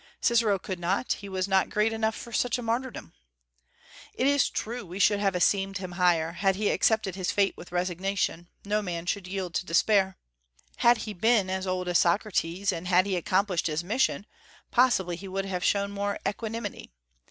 Cicero could not: he was not great enough for such a martyrdom. It is true we should have esteemed him higher, had he accepted his fate with resignation: no man should yield to despair. Had he been as old as Socrates, and had he accomplished his mission, possibly he would have shown more equanimity.